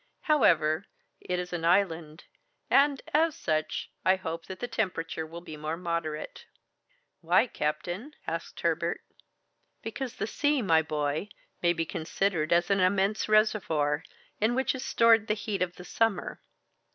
However, it is an island, and as such, I hope that the temperature will be more moderate." "Why, captain?" asked Herbert. "Because the sea, my boy, may be considered as an immense reservoir, in which is stored the heat of the summer.